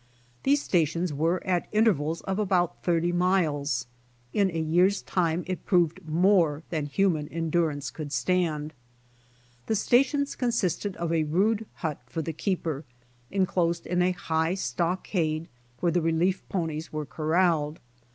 These stations weve at intervals of about thirty miles. In a year's time it proved more than human endurance could stand. The stations consisted of a rude hut for the keeper, enclosed in a higli stockade where the relief ponies were corraled.